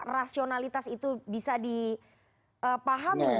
rasionalitas itu bisa dipahami